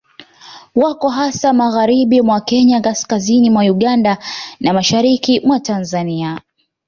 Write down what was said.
Wako hasa magharibi mwa Kenya kaskazini mwa Uganda na mashariki mwa Tanzania